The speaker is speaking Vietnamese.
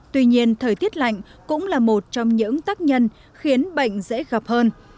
tuy nhiên thời tiết lạnh cũng là một trong những tác nhân khiến bệnh dễ gặp hơn